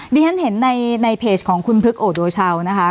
ที่ฉันเห็นในเพจของคุณพลึกโอโดชาวนะคะ